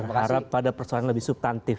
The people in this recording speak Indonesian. berharap pada persoalan yang lebih subtantif